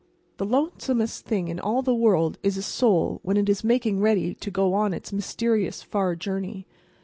The lonesomest thing in all the world is a soul when it is making ready to go on its mysterious, far journey.